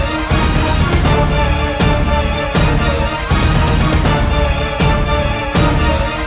aku tidak mau menangguh